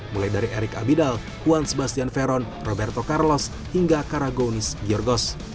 mulai dari eric abidal juan sebastian ferron roberto carlos hingga karagonis giorgos